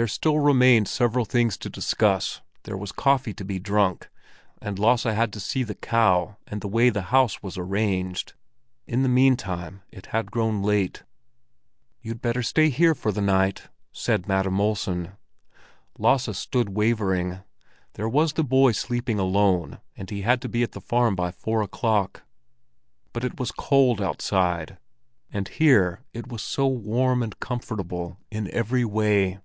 There still remained several things to discuss, there was coffee to be drunk, and Lasse had to see the cow and the way the house was arranged. In the meantime it had grown late. "You'd better stay here for the night," said Madam Olsen. Lasse stood wavering. There was the boy sleeping alone, and he had to be at the farm by four o'clock; but it was cold outside, and here it was so warm and comfortable in every way.